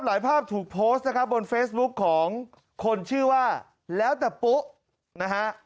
หลายภาพถูกโพสต์บนเฟซบุ๊คของคนชื่อว่าแล้วแต่ปุ๊ะ